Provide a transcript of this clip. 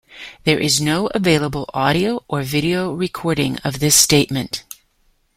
There is no available audio or video recording of this statement.